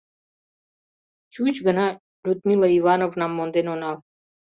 Чуч гына Людмила Ивановнам монден онал!